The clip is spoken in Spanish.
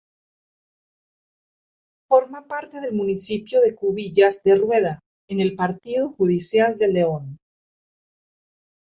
Forma parte del municipio de Cubillas de Rueda, en el partido judicial de León.